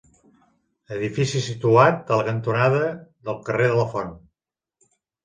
Edifici situat en la cantonada del carrer de la Font.